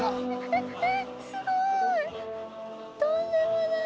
ええすごい。